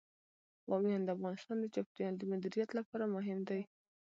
بامیان د افغانستان د چاپیریال د مدیریت لپاره مهم دي.